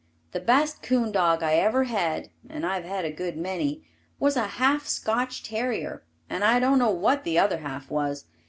The best coon dog I ever had (and I've had a good many) was a half Scotch terrier and I don't know what the other half was.